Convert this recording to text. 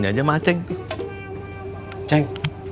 siapa yang cemburu ceng